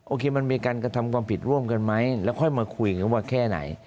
มันมีการกระทำความผิดร่วมกันไหมแล้วค่อยมาคุยกันว่าแค่ไหน